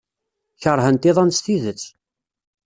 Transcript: Keṛhent iḍan s tidet.